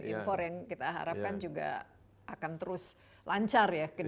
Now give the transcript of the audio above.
impor yang kita harapkan juga akan terus lancar ya